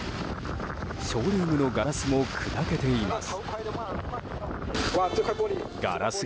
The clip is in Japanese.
ショールームのガラスも砕けています。